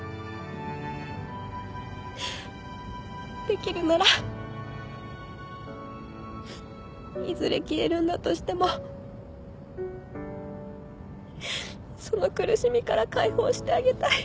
できるならいずれ消えるんだとしてもその苦しみから解放してあげたい。